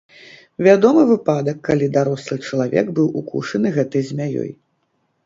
Вядомы выпадак, калі дарослы чалавек быў укушаны гэтай змяёй.